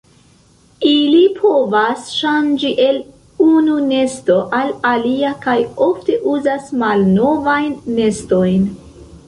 Ili povas ŝanĝi el unu nesto al alia kaj ofte uzas malnovajn nestojn.